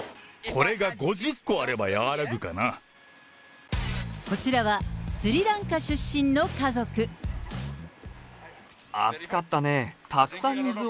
これが５０個あれば、こちらはスリランカ出身の家暑かったね。